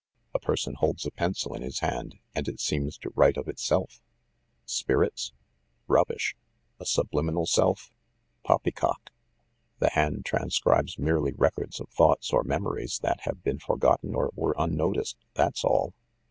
A person holds a pencil in his hand, and it seems to write of itself. Spirits? Rubbish! A subliminal self? Poppycock! The hand transcribes merely records of thoughts or memories that have been forgotten or were unnoticed, that's all.